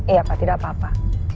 iya pak tidak apa apa